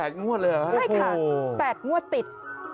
๘งวดเลยหรือโอ้โฮด